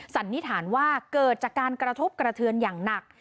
สันนิษฐานว่าเกิดจากการกระทบกระเทือนอย่างหนัก